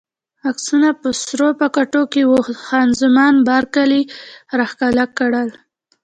عکسونه په سرو پاکټو کې وو، خان زمان بارکلي راښکاره کړل.